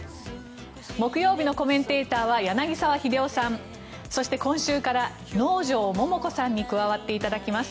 木曜日のコメンテーターは柳澤秀夫さんそして、今週から能條桃子さんに加わっていただきます。